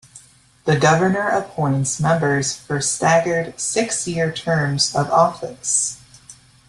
The Governor appoints members for staggered six-year terms of office.